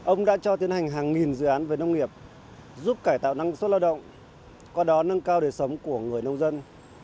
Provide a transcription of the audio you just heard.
ông đã cho tiến hành hàng nghìn dự án về nông nghiệp giúp cải tạo năng suất lao động qua đó nâng cao đời sống của người nông dân